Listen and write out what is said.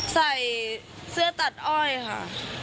ใส่เสื้อตัดอ้อยค่ะ